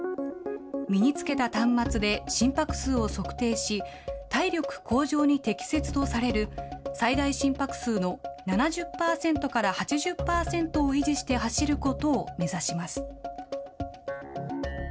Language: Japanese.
身に着けた端末で心拍数を測定し、体力向上に適切とされる最大心拍数の７０％から８０％を維持して走ることを目指します。